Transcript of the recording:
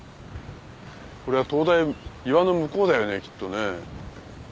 これは灯台岩の向こうだよねきっとね。